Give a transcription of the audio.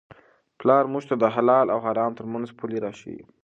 پلار موږ ته د حلال او حرام ترمنځ پولې را ښيي.